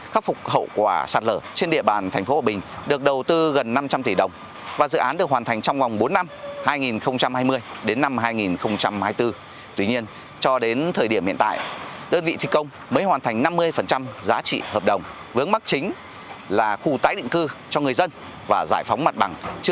các du đức tỉnh hòa bình bố trí nguồn vốn để triển khai xây dựng kẻ khắc phục sự cố sạt lở trên địa bàn tp hòa bình thế nhưng dự án cấp bách này vẫn chưa được triển khai đúng tiến độ thời điểm hiện tại khối lượng thi công tương đương khoảng năm mươi giá trị hợp đồng